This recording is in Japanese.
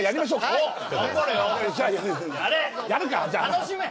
楽しめ！